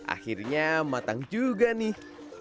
akhirnya matang juga nih